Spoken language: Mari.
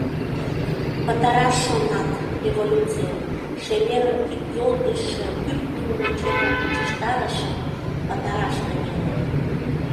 Пытараш шонат Революцийым, шемерын кид-йол гычше кӱртньылымӧ чепым мучыштарышым пытараш кынелыт.